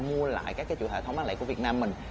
mua lại các cái chủ thể thống bán lẻ của việt nam mình